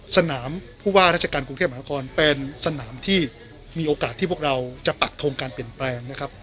สนามผู้ว่าราชการกรุงเทพมหานครเป็นสนามที่มีโอกาสที่พวกเราจะปักทงการเปลี่ยนแปลงนะครับ